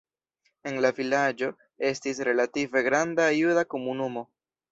En la vilaĝo estis relative granda juda komunumo.